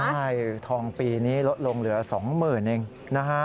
ใช่ทองปีนี้ลดลงเหลือสองหมื่นเองนะฮะ